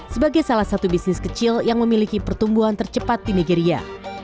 sebagai salah satu bisnis kecil yang memiliki pertumbuhan tercepat di nigeria